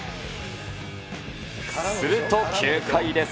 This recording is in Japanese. すると９回です。